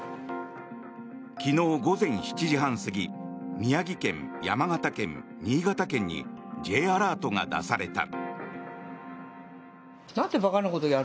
昨日午前７時半過ぎ宮城県、山形県、新潟県にＪアラートが出された。